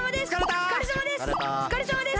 おつかれさまです！